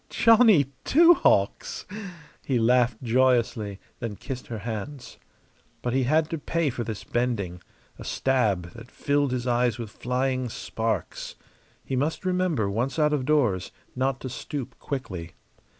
"Johnny Two Hawks!" He laughed joyously, then kissed her hands. But he had to pay for this bending a stab that filled his eyes with flying sparks. He must remember, once out of doors, not to stoop quickly.